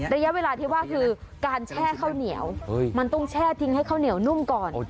ระยะเวลาที่ว่าคือการแช่ข้าวเหนียวมันต้องแช่ทิ้งให้ข้าวเหนียวนุ่มก่อน